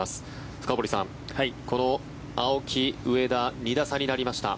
深堀さん、この青木、上田２打差になりました。